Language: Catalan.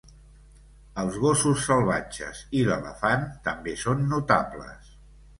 Els gossos salvatges i l’elefant també són notables.